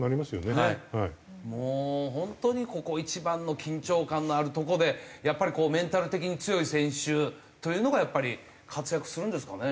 もう本当にここ一番の緊張感のあるとこでやっぱりメンタル的に強い選手というのがやっぱり活躍するんですかね？